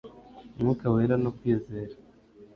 umwuka wera no kwizera